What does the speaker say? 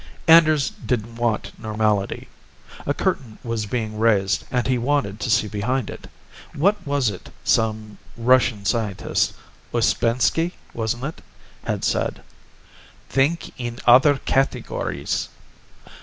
Anders didn't want normality. A curtain was being raised and he wanted to see behind it. What was it some Russian scientist Ouspensky, wasn't it had said? "_Think in other categories.